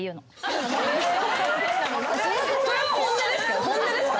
それは本音ですか？